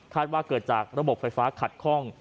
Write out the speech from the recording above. ว่าเกิดจากระบบไฟฟ้าขัดคล่อง